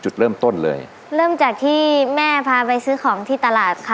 จุดเริ่มต้นเลยเริ่มจากที่แม่พาไปซื้อของที่ตลาดค่ะ